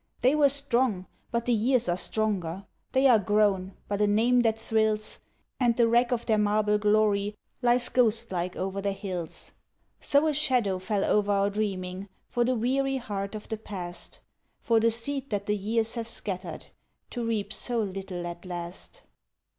They were strong, but the years are stronger; they are grown but a name that thrills, And the wreck of their marble glory lies ghost like over their hills. So a shadow fell o'er our dreaming for the weary heart of the past, For the seed that the years have scattered, to reap so little at last.